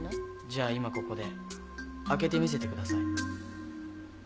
じゃあ今ここで開けてみせてください。